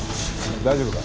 大丈夫か？